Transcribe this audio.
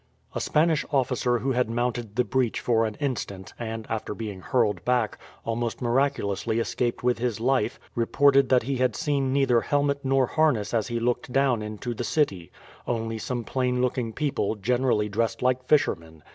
A Spanish officer who had mounted the breach for an instant, and, after being hurled back, almost miraculously escaped with his life, reported that he had seen neither helmet nor harness as he looked down into the city only some plain looking people, generally dressed like fishermen.